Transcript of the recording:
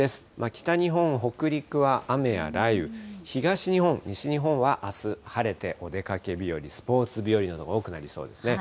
北日本、北陸は雨や雷雨、東日本、西日本はあす晴れて、お出かけ日和、スポーツ日和の所多くなりそうですね。